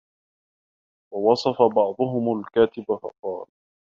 وَوَصَفَ بَعْضُهُمْ الْكَاتِبَ فَقَالَ